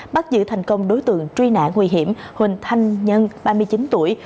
bắt giữ thành công đối tượng truy nã nguy hiểm huỳnh thanh nhân ba mươi chín tuổi